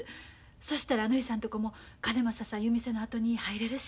そしたらぬひさんとこもかねまささんいう店のあとに入れるし。